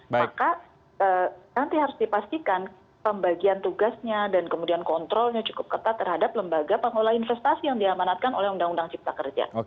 maka nanti harus dipastikan pembagian tugasnya dan kemudian kontrolnya cukup ketat terhadap lembaga pengelola investasi yang diamanatkan oleh undang undang cipta kerja